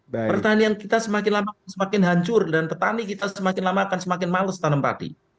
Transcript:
pertanian kita semakin lama akan semakin hancur dan petani kita semakin lama akan semakin males tanam padi